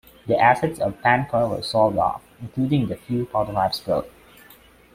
The assets of Pancor were sold off, including the few prototypes built.